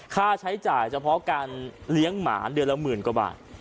ค่าใช้จ่ายเฉพาะการเลี้ยงหมาเดือนละหมื่นกว่าบาท